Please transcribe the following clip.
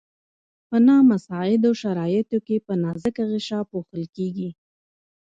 په نامساعدو شرایطو کې په نازکه غشا پوښل کیږي.